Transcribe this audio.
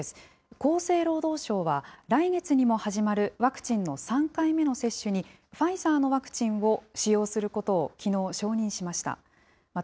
厚生労働省は、来月にも始まるワクチンの３回目の接種に、ファイザーのワクチンを使用することをきのう、承認しました。